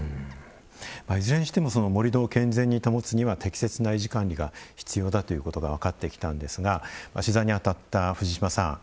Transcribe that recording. いずれにしても盛土を健全に保つには適切な維持・管理が必要だということが分かってきたんですが取材に当たった藤島さん